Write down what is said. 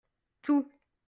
Tout.